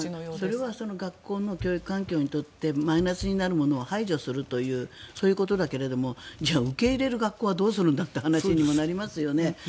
それは学校の教育環境にとってマイナスになるものを排除するというそういうことだけどじゃあ受け入れる学校はどうするんだという話にもなりますよね。